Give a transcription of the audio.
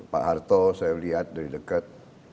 pak harto saya lihat dari dekat